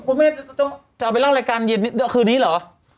คุณแม่จะเอาไปเล่ารายการเย็นคืนนี้เหรอ